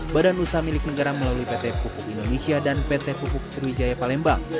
badan usaha milik negara melalui pt pupuk indonesia dan pt pupuk sriwijaya palembang